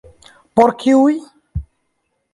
Por kiuj?